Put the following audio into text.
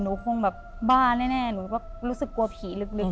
หนูคงแบบบ้าแน่หนูก็รู้สึกกลัวผีลึก